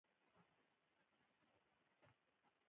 علمي اثار د ټولنې د پرمختګ لامل ګرځي.